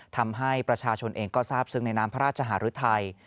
ทำให้ประชาชนเองก็ทราบซึ้งในน้ำพระราชหารุทัย